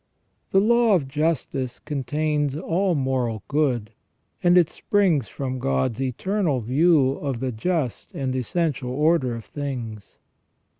The law of justice contains all moral good, and it springs from God's eternal view of the just and essential order of things.